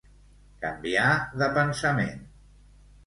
Canviar de pensament.